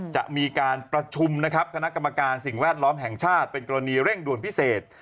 จะมีการประชุมนะครับคณะกรรมการสิ่งแวดล้อมแห่งชาติเป็นกรณีเร่งด่วนพิเศษ